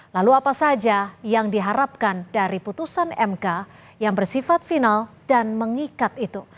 lalu apa saja yang diharapkan dari putusan mk yang bersifat final dan mengikat itu